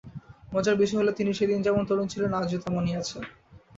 মজার বিষয় হলো, তিনি সেদিন যেমন তরুণ ছিলেন, আজও তেমনই আছেন।